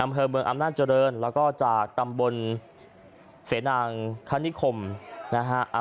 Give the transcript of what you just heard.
อำเภอเมืองอำนาจเจริญแล้วก็จากตำบลเสนางคณิคมนะฮะ